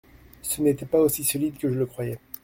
Ce n’était pas aussi solide que je le croyais.